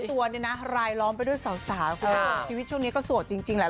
ตัวเนี่ยนะรายล้อมไปด้วยสาวคุณผู้ชมชีวิตช่วงนี้ก็โสดจริงแหละ